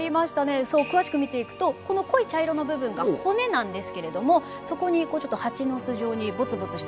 そう詳しく見ていくとこの濃い茶色の部分が骨なんですけれどもそこにこうちょっと蜂の巣状にボツボツしたもの。